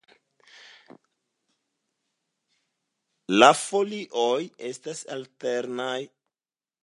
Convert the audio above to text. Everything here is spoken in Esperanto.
La folioj estas alternaj.